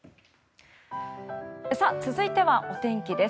続いてはお天気です。